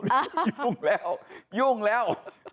ยุ่งแล้วยุ่งแล้ว